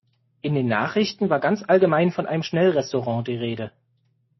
In den Nachrichten war ganz allgemein von einem Schnellrestaurant die Rede.